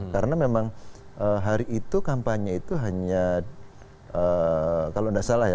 karena memang hari itu kampanye itu hanya kalau tidak salah ya